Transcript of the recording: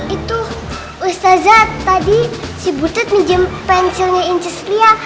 itu ustadzad tadi si putet minjem pensilnya inceslia